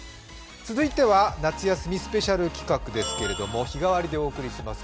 続いては夏休みスペシャル企画ですけど日替わりでお送りします。